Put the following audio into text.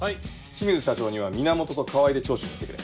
清水社長には源と川合で聴取に行ってくれ。